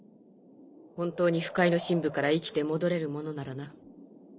本当に腐海の深部から生きて戻れるものならな。